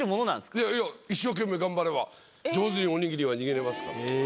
一生懸命頑張れば上手におにぎりは握れますから。